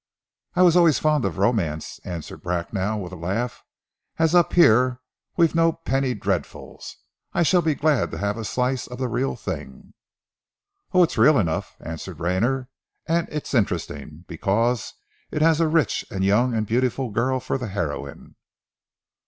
"I was always fond of romance," answered Bracknell with a laugh, "and as up here we've no penny dreadfuls, I shall be glad to have a slice of the real thing." "Oh, it's real enough," answered Rayner, "and it's interesting, because it has a rich and young and beautiful girl for the heroine."